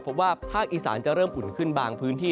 เพราะว่าภาคอีสานจะเริ่มอุ่นขึ้นบางพื้นที่